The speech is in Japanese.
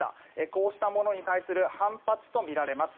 こうしたものに対する反発とみられます。